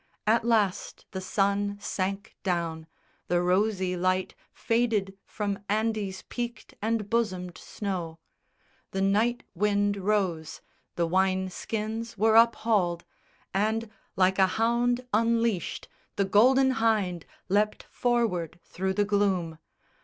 At last the sun sank down, the rosy light Faded from Andes' peaked and bosomed snow: The night wind rose: the wine skins were up hauled; And, like a hound unleashed, the Golden Hynde Leapt forward thro' the gloom.